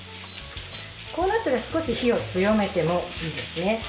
こうなったら少し火を強めてもいいですね。